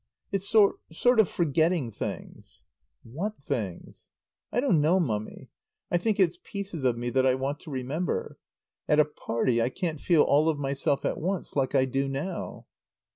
"It's sort sort of forgetting things." "What things?" "I don't know, Mummy. I think it's pieces of me that I want to remember. At a party I can't feel all of myself at once like I do now."